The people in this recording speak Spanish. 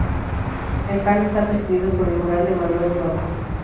El hall está presidido por el mural de Manuel Broto.